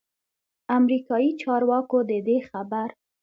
امریکايي چارواکو ددې خبر